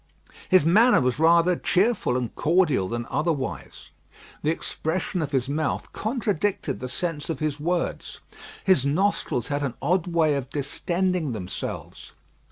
His manner was rather cheerful and cordial than otherwise. The expression of his mouth contradicted the sense of his words. His nostrils had an odd way of distending themselves.